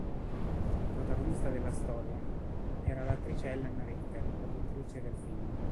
Protagonista della storia era l'attrice Ellen Richter, produttrice del film.